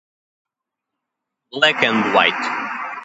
Black and white.